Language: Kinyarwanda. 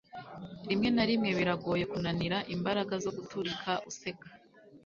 rimwe na rimwe biragoye kunanira imbaraga zo guturika useka